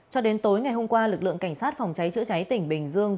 cho đến tối ngày hôm qua lực lượng cảnh sát phòng cháy chữa cháy tỉnh bình dương